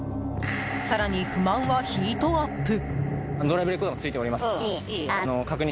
更に、不満はヒートアップ！